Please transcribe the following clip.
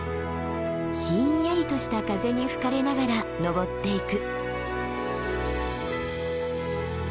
ひんやりとした風に吹かれながら登っていく。